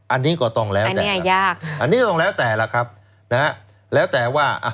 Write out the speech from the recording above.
อันนี้ก็ต้องแล้วแต่ละครับอันนี้ก็ต้องแล้วแต่ละครับแล้วแต่ว่า